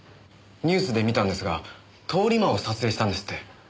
ニュースで見たんですが通り魔を撮影したんですって？